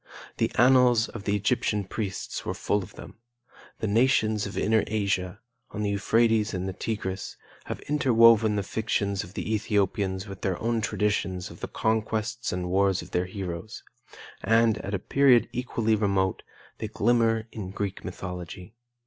The annals of the Egyptian priests were full of them; the nations of inner Asia, on the Euphrates and Tigris, have interwoven the fictions of the Ethiopians with their own traditions of the conquests and wars of their heroes; and, at a period equally remote, they glimmer in Greek mythology.